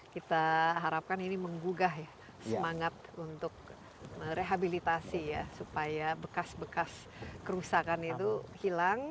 kita harapkan ini menggugah ya semangat untuk merehabilitasi ya supaya bekas bekas kerusakan itu hilang